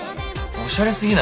おしゃれすぎない？